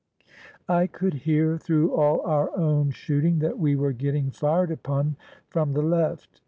I could hear through all our own shooting that we were getting fired upon from the left.